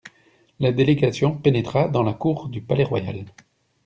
La délégation pénétra dans la cour du Palais-Royal.